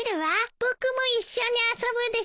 僕も一緒に遊ぶです。